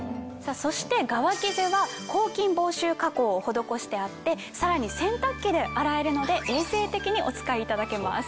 そして側生地は抗菌防臭加工を施してあってさらに洗濯機で洗えるので衛生的にお使いいただけます。